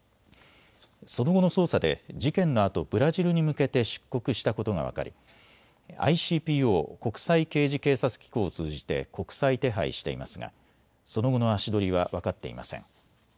その後の捜査で事件のあと、ブラジルに向けて出国したことが分かりＩＣＰＯ・国際刑事警察機構を通じて国際手配していますがその後の足取りは分かっていません。